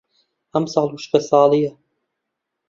ئەم ساڵ وشکە ساڵییە.